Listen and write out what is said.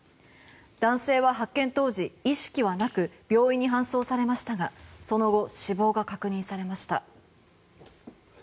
男性は発見当時、意識はなく病院に搬送されましたがその後、死亡が確認されました。